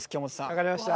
分かりました。